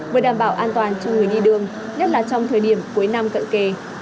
vừa đảm bảo an toàn cho người đi đường nhất là trong thời điểm cuối năm cận kề